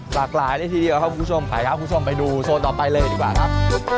หลากหลายเลยทีเดียวครับคุณผู้ชมไปครับคุณผู้ชมไปดูโซนต่อไปเลยดีกว่าครับ